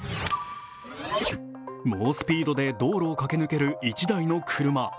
猛スピードで道路を駆け抜ける１台の車。